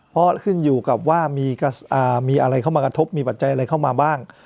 เพราะขึ้นอยู่กับว่ามีอะไรเข้ามากระทบมีปัจจัยอะไรเข้ามาบ้าง